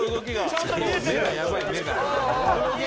「ちゃんと見えてる！」